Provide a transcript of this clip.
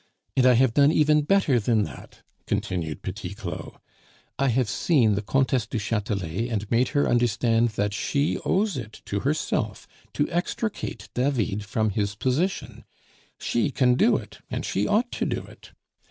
And I have done even better than that," continued Petit Claud; "I have seen the Comtesse du Chatelet and made her understand that she owes it to herself to extricate David from his position; she can do it, and she ought to do it.